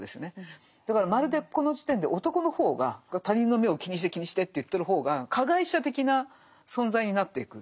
だからまるでこの時点で男の方が他人の目を気にして気にしてと言ってる方が加害者的な存在になっていく。